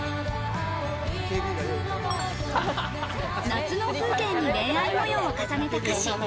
夏の風景に恋愛模様を重ねた歌詞。